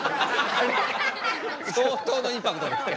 相当のインパクトですね。